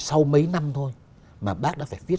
đấy năm thôi mà bác đã phải viết